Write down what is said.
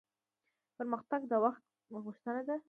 پرمختګ د وخت غوښتنه ده